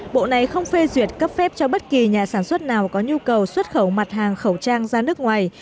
bộ này không phê duyệt cấp phép cho bất kỳ nhà sản xuất nào có nhu cầu xuất khẩu mặt hàng khẩu trang ra nước ngoài